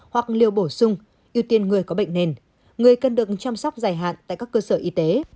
hoặc liều bổ sung ưu tiên người có bệnh nền người cần được chăm sóc dài hạn tại các cơ sở y tế